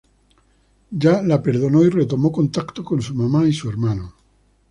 Ya la perdonó y retomó contacto con su mamá y su hermano.